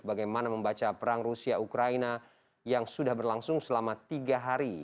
bagaimana membaca perang rusia ukraina yang sudah berlangsung selama tiga hari